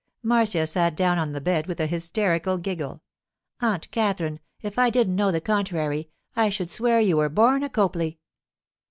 Marcia sat down on the bed with a hysterical giggle. 'Aunt Katherine, if I didn't know the contrary, I should swear you were born a Copley.